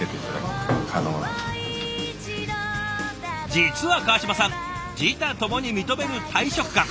実は川島さん自他ともに認める大食漢。